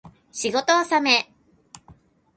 仕事納め